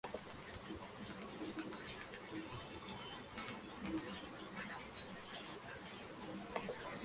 El interior cuenta con tres naves y transepto.